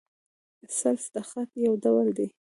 ثلث د خط؛ یو ډول دﺉ.